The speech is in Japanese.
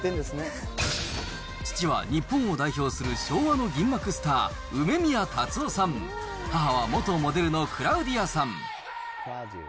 父は日本を代表する昭和の銀幕スター、梅宮辰夫さん、母は元モデルのクラウディアさん。